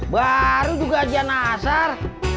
baru juga ajian asar